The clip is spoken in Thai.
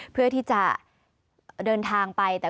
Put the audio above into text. เพื่อที่จะเดินทางไป